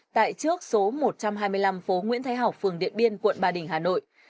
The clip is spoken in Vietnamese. tại trước số một trăm hai mươi năm phố nguyễn thái hảo phường điện biên quận ba đình hà nội